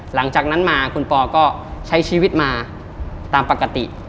หลังจากนั้นมาคุณปอก็ใช้ชีวิตมาตามปกติ